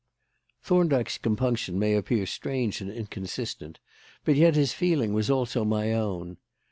Thorndyke's compunction may appear strange and inconsistent, but yet his feeling was also my own.